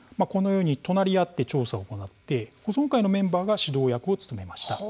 隣り合って調査を行い保存会のメンバーが指導役を務めました。